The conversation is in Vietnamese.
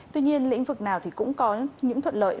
tuy nhiên lĩnh vực nào thì cũng có những thuận lợi